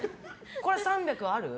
これ、３００ある？